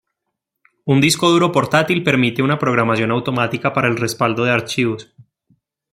Un disco duro portátil permite una programación automática para respaldo de archivos.